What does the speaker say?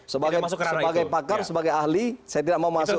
sebagai pakar sebagai ahli saya tidak mau masuk